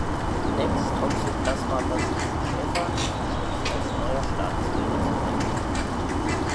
Ex-Toxoplasma-Bassist Stefan stieß als neuer Schlagzeuger zur Band.